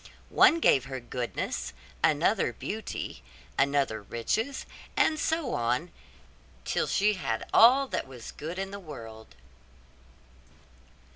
One gave her goodness, another beauty, another riches, and so on till she had all that was good in the world.